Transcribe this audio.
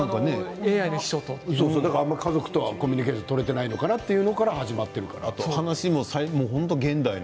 家族とはコミュニケーション取れていないのかな？というところから始まっているから。